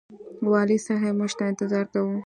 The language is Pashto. والي صاحب موږ ته انتظار کاوه.